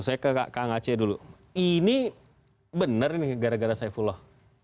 saya ke kang aceh dulu ini benar ini gara gara saifullah